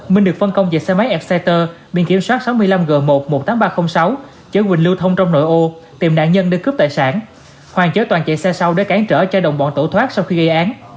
minh được phân công về xe máy apciter biển kiểm soát sáu mươi năm g một một mươi tám nghìn ba trăm linh sáu chở quỳnh lưu thông trong nội ô tìm nạn nhân để cướp tài sản hoàng chở toàn chạy xe sau để cản trở cho đồng bọn tổ thoát sau khi gây án